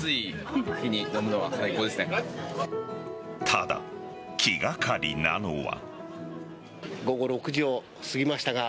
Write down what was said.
ただ、気がかりなのは。